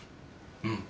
うん。